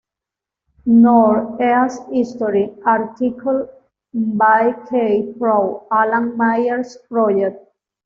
North East History article by Keith Proud, Alan Myers Project